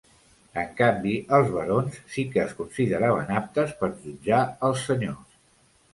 En canvi els barons sí que es consideraven aptes per jutjar els senyors.